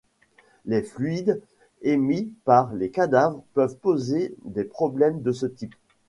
Les fluides émis par les cadavres peuvent poser des problèmes de ce type.